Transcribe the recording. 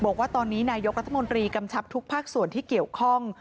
บอกว่าตอนนี้นายกรัฐมนตรีกำชับทุกภาคส่วนที่เกี่ยวข้อง